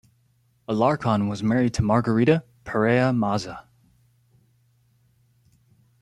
Alarcon was married to Margarita Perea Maza.